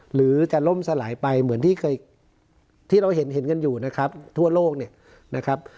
หรือจะล่มสลายไปเหมือนที่เคยที่เราเห็นกันอยู่นะครับทั่วโลกเนี่ยนะครับ